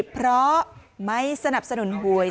เพราะไม่สนับสนุนหวย